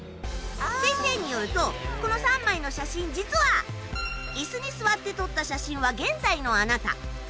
先生によるとこの３枚の写真実は椅子に座って撮った写真は現在のあなた。